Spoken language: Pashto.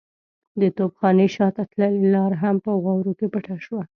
د توپخانې شاته تللې لار هم په واورو کې پټه شوه.